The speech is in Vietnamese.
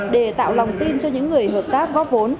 để tạo lòng tin cho những người hợp tác góp vốn